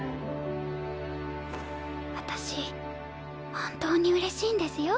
本当にうれしいんですよ。